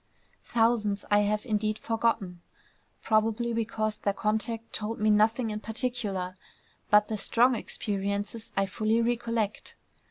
Thousands I have indeed forgotten, probably because their contact told me nothing in particular; but the strong experiences I fully recollect.